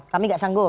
kami gak sanggup